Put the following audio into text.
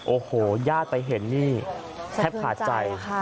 โอ้โหญาติไปเห็นนี่แทบขาดใจ